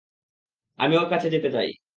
আমি ওর কাছে যেতে চাই।